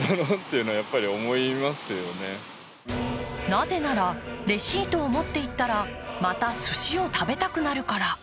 なぜなら、レシートを持っていったらまたすしを食べたくなるから。